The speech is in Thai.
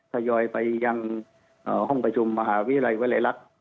ทยอยไปยังห้องประชุมมหาวิทยาลัยวลัยลักษณ์